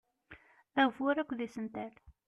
Agbur akked isental.